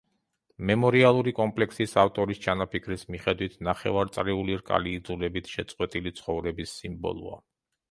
მემორიალური კომპლექსის ავტორის ჩანაფიქრის მიხედვით ნახევრწრიული რკალი იძულებით შეწყვეტილი ცხოვრების სიმბოლოა.